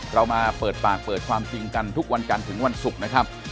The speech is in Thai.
เรามาเปิดปากเปิดความจริงกันทุกวันกันถึงวันศุกร์นะครับ